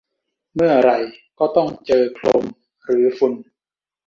เมื่อไหร่ก็ต้องเจอโคลนหรือฝุ่น